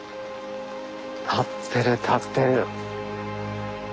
たってるたってる。